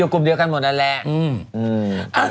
กลุ่มเดียวกันหมดนั่นแหละ